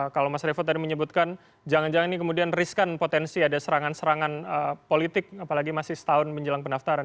kalau mas revo tadi menyebutkan jangan jangan ini kemudian riskan potensi ada serangan serangan politik apalagi masih setahun menjelang pendaftaran